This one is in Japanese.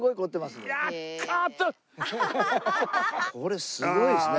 これすごいですね。